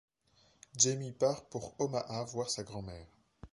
Jamie part pour Omaha voir sa grand-mère.